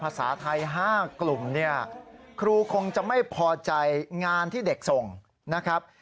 ภาษาไทย๕กลุ่มเนี่ยครูคงจะไม่พอใจงานที่เด็กส่งนะครับ